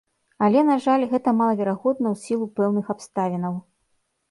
Але, на жаль, гэта малаверагодна ў сілу пэўных абставінаў.